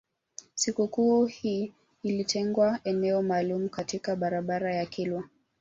Sikukuu hii ilitengewa eneo maalum katika barabara ya kilwa